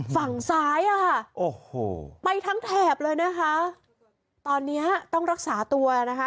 ฝั่งซ้ายอ่ะค่ะโอ้โหไปทั้งแถบเลยนะคะตอนเนี้ยต้องรักษาตัวนะคะ